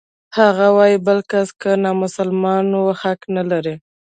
هغه وايي بل کس که نامسلمان و حق نلري.